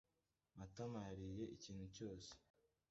Matama yariye ikintu cyose.